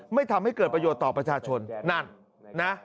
ไม่ทำให้เกิดประโยชน์ต่อประชาชนนั่นนะ